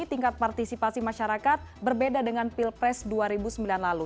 tingkat partisipasi masyarakat berbeda dengan pilpres dua ribu sembilan lalu